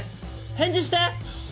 返事して！